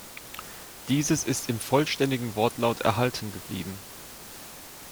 Dieses ist im vollständigen Wortlaut erhalten geblieben.